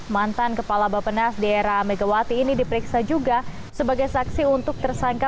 mantan kepala bapenas di era megawati ini diperiksa juga sebagai saksi untuk tersangka